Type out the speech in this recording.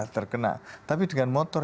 terkena tapi dengan motor